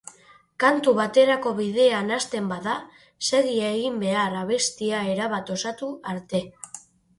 Kantu baterako bidean hasten bada, segi egin behar abestia erabat osatu arte.